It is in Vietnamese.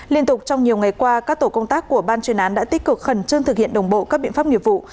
liên tục trong nhiều ngày qua các tổ công tác của ban chuyên án đã tích cực khẩn trương thực hiện đồng bộ các biện pháp nghiệp vụ